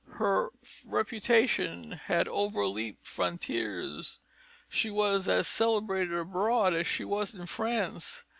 Her reputation had overleaped frontiers; she was as celebrated abroad as she was in France.